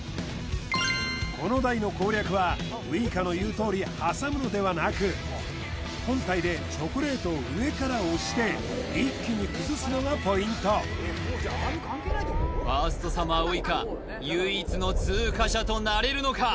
この台の攻略はウイカの言うとおり挟むのではなく本体でチョコレートを上から押して一気に崩すのがポイントファーストサマーウイカ唯一の通過者となれるのか？